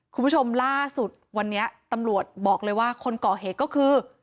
คุณผู้ชมล่าสุดวันนี้ตำรวจบอกเลยว่าคนก่อเหตุก็คือ